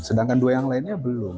sedangkan dua yang lainnya belum